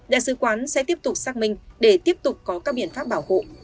đại sứ quán sẽ tiếp tục xác minh để tiếp tục có các biện pháp bảo hộ